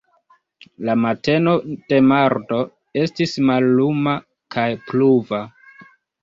La mateno de mardo estis malluma kaj pluva.